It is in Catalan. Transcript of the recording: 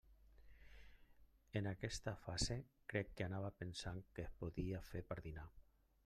En aquesta fase crec que anava pensant què podia fer per dinar.